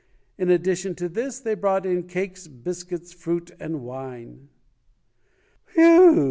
In addition to this, they brought in cakes, biscuits, fruit and wine". "Whew!